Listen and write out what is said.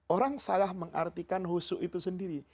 orang salah mengartikan husu itu sendiri